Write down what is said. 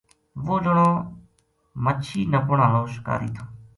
وہ جنو مچھی نپن ہاڑو شکاری تھو